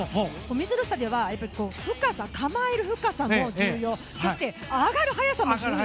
水の下では構える深さも重要そして、上がる速さも重要。